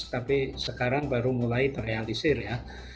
tapi sekarang baru mulai terrealisir ya